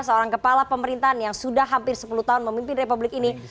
seorang kepala pemerintahan yang sudah hampir sepuluh tahun memimpin republik ini